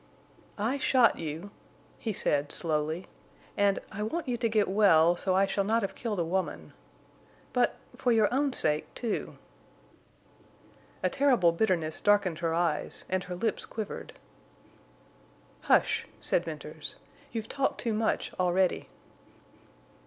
"I shot you," he said, slowly, "and I want you to get well so I shall not have killed a woman. But—for your own sake, too—" A terrible bitterness darkened her eyes, and her lips quivered. "Hush," said Venters. "You've talked too much already."